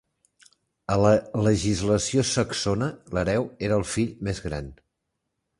A la legislació saxona, l'hereu era el fill més gran.